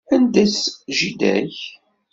Anda-tt jida-k?